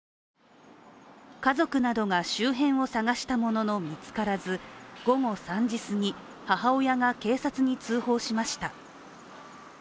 家族などか周辺を捜したものの見つからず、午後３時すぎ、母親が警察に通報しました。